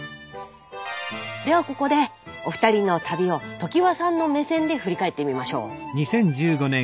ではここでお二人の旅を常盤さんの目線で振り返ってみましょう。